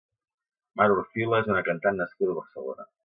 Mar Orfila és una cantant nascuda a Barcelona.